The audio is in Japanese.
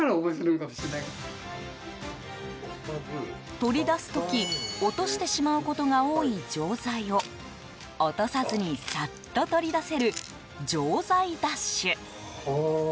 取り出す時落としてしまうことが多い錠剤を落とさずに、サッと取り出せる錠剤出取。